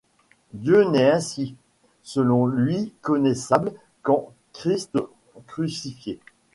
Dieu n'est ainsi, selon lui connaissable qu'en Christ crucifié.